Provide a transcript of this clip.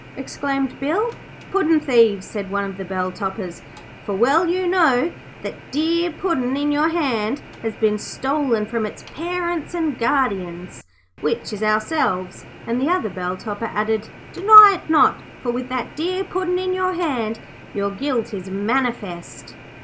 exclaimed Bill. 'Puddin' thieves,' said one of the bell topperers. 'For well you know that that dear Puddin' in your hand has been stolen from its parents and guardians, which is ourselves.' And the other bell topperer added, 'Deny it not, for with that dear Puddin' in your hand your guilt is manifest.'